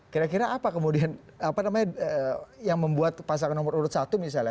kira kira apa kemudian apa namanya yang membuat pasangan nomor urut satu misalnya